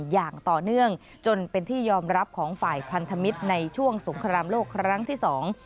อย่างต่อเนื่องจนเป็นที่ยอมรับของฝ่ายพันธมิตรในช่วงสงครามโลกครั้งที่สอง